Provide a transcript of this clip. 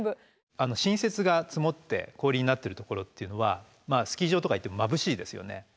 新雪が積もって氷になってるところっていうのはスキー場とか行ってもまぶしいですよね。